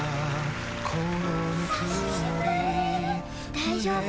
大丈夫。